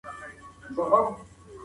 الکول د خولې سرطان خطر زیاتوي.